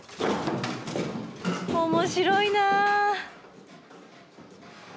面白いな。